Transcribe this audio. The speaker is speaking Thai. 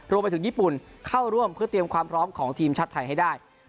รวมไปถึงญี่ปุ่นเข้าร่วมเพื่อเตรียมความพร้อมของทีมชาติไทยให้ได้